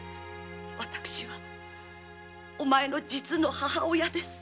わたしはお前の実の母親です。